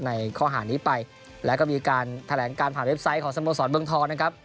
ในข้อหานี้ไปแล้วก็มีการแถลงการผ่านเว็บไซต์ของสโมสรเมืองทองนะครับ